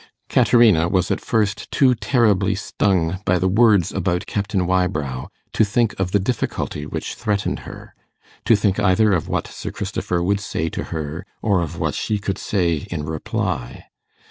Caterina was at first too terribly stung by the words about Captain Wybrow to think of the difficulty which threatened her to think either of what Sir Christopher would say to her, or of what she could say in reply.